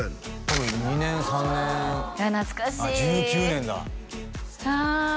１９年だはあ！